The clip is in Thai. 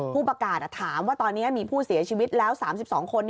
ผู้ประกาศถามว่าตอนนี้มีผู้เสียชีวิตแล้ว๓๒คน